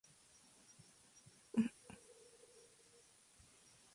La causa fue asfixia por vómito, luego de mezclar alcohol con medicamentos.